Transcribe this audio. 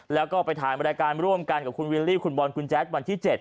แล้วก็ไปถ่ายบริการร่วมกันกับคุณวิลลี่คุณบอลคุณแจ๊ดวันที่๗